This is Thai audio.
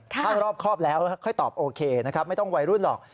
ถ้ารอบครอบแล้วค่อยตอบโอเคนะครับไม่ต้องวัยรุ่นหรอก